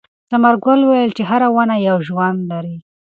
ثمر ګل وویل چې هره ونه یو ژوند لري.